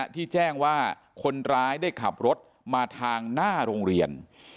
ที่แจ้งว่าคนร้ายได้ขับรถมาทางหน้าโรงเรียน